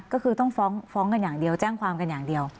ก็คือต้องฟ้องกันอย่างเดียวแจ้งความกันอย่างเดียว